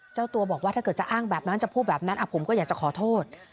เจ้าตัวบอกว่าถ้าเกิดจะอ้างแบบนั้นจะพูดแบบนั้นผมก็อยากจะขอโทษ